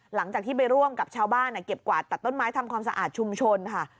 หลังจากที่ไปร่วมกับชาวบ้านเก็บกวาดตัดต้นไม้ทำความสะอาดชุมชนค่ะ